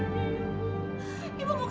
hah ibu tuh